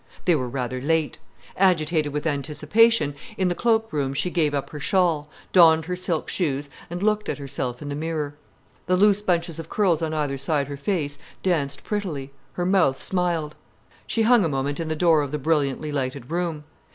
They were rather late. Agitated with anticipation, in the cloak room she gave up her shawl, donned her silk shoes, and looked at herself in the mirror. The loose bunches of curls on either side her face danced prettily, her mouth smiled. She hung a moment in the door of the brilliantly lighted room.